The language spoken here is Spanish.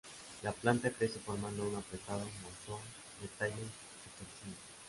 La planta crece formando un apretado montón de tallos retorcidos.